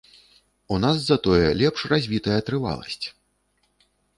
У нас затое лепш развітая трываласць.